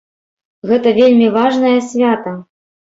Гэта вельмі важнае свята.